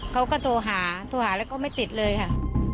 เขาก็โทรหาโทรหาแล้วก็ไม่ติดเลยค่ะ